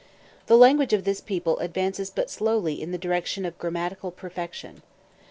The language of this people advances but slowly in the direction of grammatical perfection.